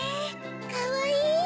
かわいい！